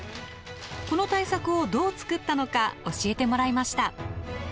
この大作をどう作ったのか教えてもらいました。